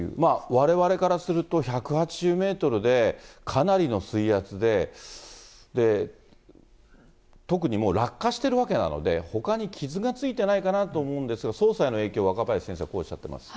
われわれからすると１８０メートルで、かなりの水圧で、特にもう落下しているわけなので、ほかに傷がついてないかなと思うんですが、捜査への影響、若林先生、こうおっしゃっています。